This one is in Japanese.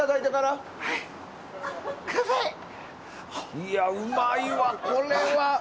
いや、うまいわ、これは。